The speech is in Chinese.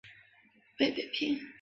洪武六年随徐达守卫北平。